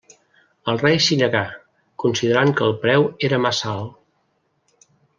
El rei s'hi negà, considerant que el preu era massa alt.